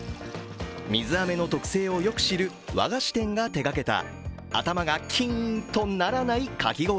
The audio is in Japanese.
水あめの特性をよく知る和菓子店が手がけた頭がキーンとならないかき氷。